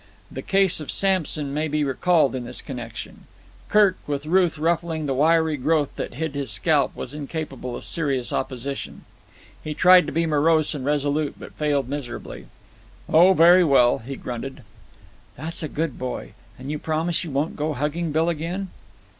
The case of Samson may be recalled in this connection. Kirk, with Ruth ruffling the wiry growth that hid his scalp, was incapable of serious opposition. He tried to be morose and resolute, but failed miserably. "Oh, very well," he grunted. "That's a good boy. And you promise you won't go hugging Bill again?"